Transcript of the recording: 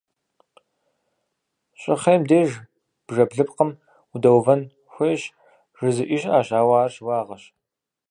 Щӏыхъейм деж бжэ блыпкъым удэувэн хуейщ жызыӏи щыӏэщ, ауэ ар щыуагъэщ.